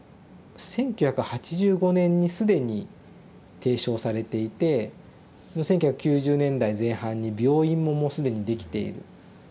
１９８５年に既に提唱されていて１９９０年代前半に病院ももう既にできている。